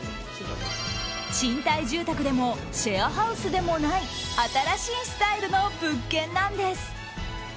賃貸住宅でもシェアハウスでもない新しいスタイルの物件なんです。